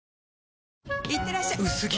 いってらっしゃ薄着！